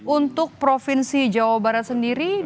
untuk provinsi jawa barat sendiri